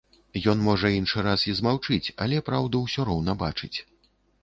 Ён, можа, іншы раз і змаўчыць, але праўду ўсё роўна бачыць.